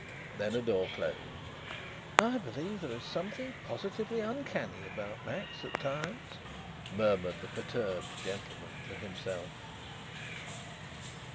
Then a door closed. "I believe that there is something positively uncanny about Max at times," murmured the perturbed gentleman to himself.